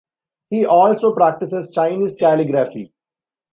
He also practices Chinese calligraphy.